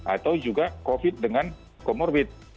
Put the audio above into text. atau juga covid dengan comorbid